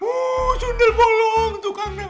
uh sundel bolong tukangnya